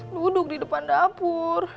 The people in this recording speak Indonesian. duduk di depan dapur